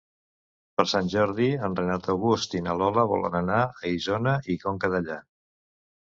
Per Sant Jordi en Renat August i na Lola volen anar a Isona i Conca Dellà.